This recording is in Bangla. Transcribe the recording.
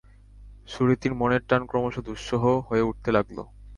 সুরীতির মনের টান ক্রমশ দুঃসহ হয়ে উঠতে লাগল।